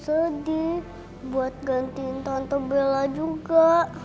kalo papa gak sedih buat gantiin tante bella juga